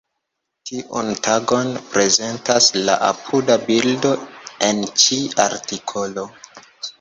Tiun tagon prezentas la apuda bildo en ĉi artikolo.